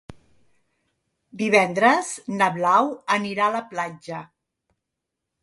Divendres na Blau anirà a la platja.